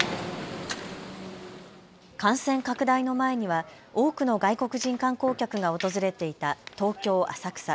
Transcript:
感染拡大の前には多くの外国人観光客が訪れていた東京浅草。